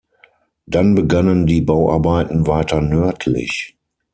Dann begannen die Bauarbeiten weiter nördlich.